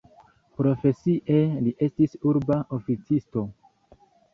Profesie li estis urba oficisto.